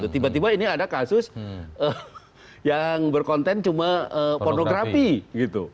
tiba tiba ini ada kasus yang berkonten cuma pornografi gitu